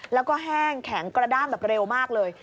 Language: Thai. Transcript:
แล้วก็แห้งแข็งกระด้ามแบบเร็วมากเลย